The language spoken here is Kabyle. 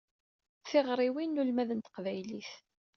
Tiɣriwin i ulmad n teqbaylit.